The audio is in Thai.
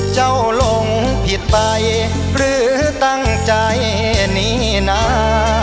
ลงผิดไปหรือตั้งใจหนีหนา